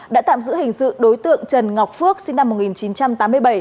đã tạm giữ hình sự đối tượng trần ngọc phước sinh năm một nghìn chín trăm tám mươi bảy